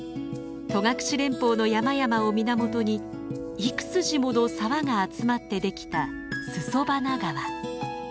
戸隠連峰の山々を源に幾筋もの沢が集まってできた裾花川。